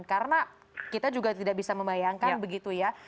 karena kita juga tidak bisa membayangkan begitu ya